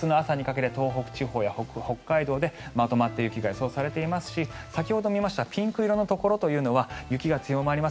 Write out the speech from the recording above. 明日の朝にかけて東北地方や北海道でまとまった雪が予想されていますし先ほど見ましたピンク色のところは雪が強まります。